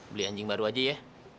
beli anjing baru aja ya